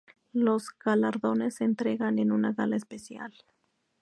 Los galardones se entregan en una gala especial.